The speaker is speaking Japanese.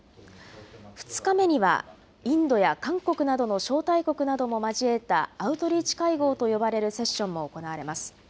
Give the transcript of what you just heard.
２日目にはインドや韓国などの招待国などを交えたアウトリーチ会合と呼ばれるセッションも行われます。